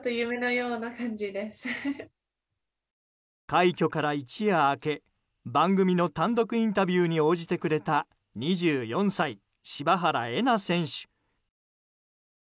快挙から一夜明け番組の単独インタビューに応じてくれた２４歳、柴原瑛菜選手。